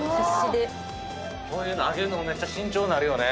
こういうの揚げんのもめっちゃ慎重になるよね。